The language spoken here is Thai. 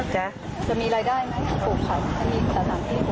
จะมีอะไรได้มันคุกค่ะ